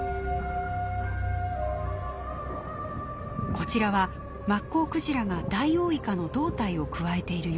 こちらはマッコウクジラがダイオウイカの胴体をくわえている様子。